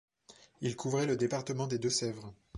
Il couvrait le département des Deux-Sèvres.